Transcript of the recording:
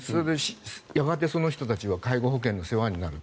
やがてその人たちが介護保険の世話になる。